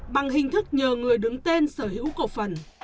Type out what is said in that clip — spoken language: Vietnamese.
bằng hình thức nhờ người đứng tên sở hữu cổ phần